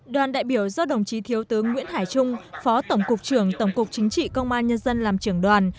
đoàn đại biểu do đồng chí thiếu tướng nguyễn hải trung phó tổng cục trưởng tổng cục chính trị công an nhân dân làm trưởng đoàn